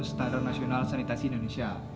stadar nasional sanitasi indonesia